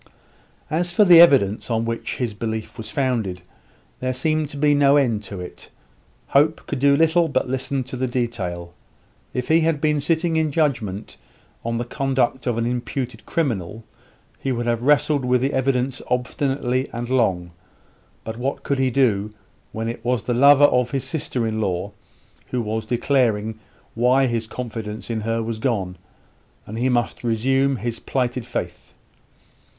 As for the evidence on which his belief was founded, there seemed to be no end to it. Hope could do little but listen to the detail. If he had been sitting in judgment on the conduct of an imputed criminal, he would have wrestled with the evidence obstinately and long; but what could he do, when it was the lover of his sister in law who was declaring why his confidence in her was gone, and he must resume his plighted faith?